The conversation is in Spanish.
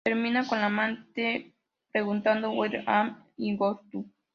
Termina con la amante preguntado "Where am I going to?